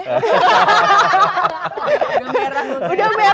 udah merah udah merah